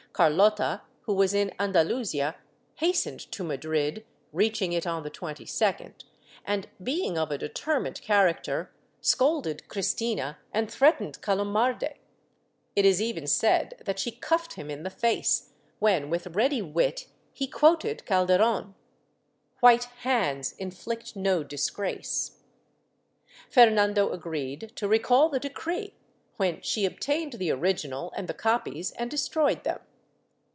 Carlotta, who was in Andalusia, hastened to Madrid, reaching it on the 22d and, being of a determined character scolded Cristina and threatened Calomarde — it is even said that she cuffed him in the face, when with ready wit he quoted Calderon — ''White hands inflict no disgrace." Fernando agreed to recall the decree, when she obtained the original and the copies and destroyed them.